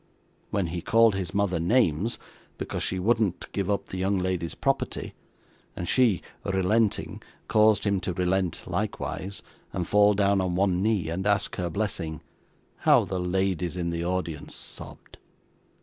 When he called his mother names, because she wouldn't give up the young lady's property, and she relenting, caused him to relent likewise, and fall down on one knee and ask her blessing, how the ladies in the audience sobbed!